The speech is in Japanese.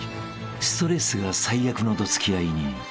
ストレスが最悪のどつきあいに］